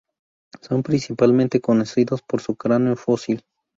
Son principalmente conocidos por su cráneo fósil.